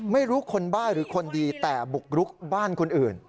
ไม่รู้คนบ้าหรือคนดีแต่บุกรุกบ้านคนอื่น